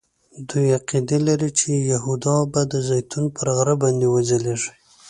دوی عقیده لري چې یهودا به د زیتون پر غره باندې وځلیږي.